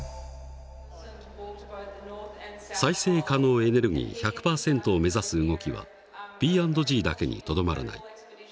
再生可能エネルギー１００％を目指す動きはＰ＆Ｇだけにとどまらない。